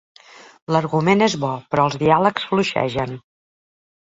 L'argument és bo, però els diàlegs fluixegen.